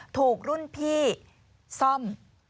ถูกรุ่นพี่ซ่อม